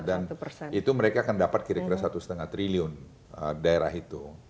dan itu mereka akan dapat kira kira satu lima triliun daerah itu